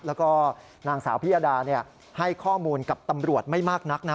แล้วก็นางสาวพิยดาให้ข้อมูลกับตำรวจไม่มากนักนะ